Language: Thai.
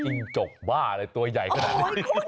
จิ้งจกบ้าอะไรตัวใหญ่สนับตา